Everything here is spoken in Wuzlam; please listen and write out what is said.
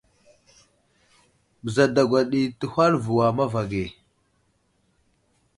Bəza dagwa ɗi təhwal a mava ge.